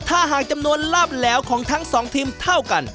ถ้าหากจำนวนลาบแหลวของทั้งสองทีมเท่ากัน